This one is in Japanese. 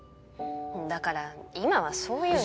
だから今はそういうの。